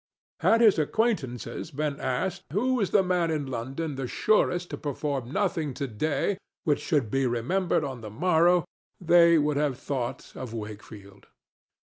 Had his acquaintances been asked who was the man in London the surest to perform nothing to day which should be remembered on the morrow, they would have thought of Wakefield.